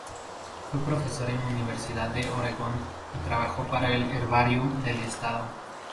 Fue profesor en la Universidad de Oregon, y trabajó para el herbario del Estado.